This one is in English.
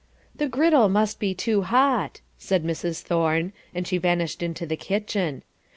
"The griddle must be too hot," said Mrs. Thorne, and she vanished into the kitchen.